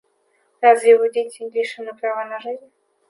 Разве его дети лишены права на жизнь?